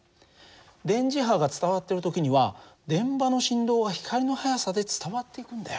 電磁波が伝わってる時には電場の振動が光の速さで伝わっていくんだよ。